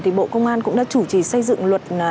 thì bộ công an cũng đã chủ trì xây dựng luật